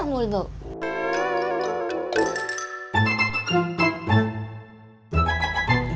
yang ini betulan